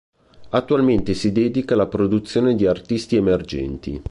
Attualmente si dedica alla produzione di artisti emergenti.